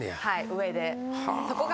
上で。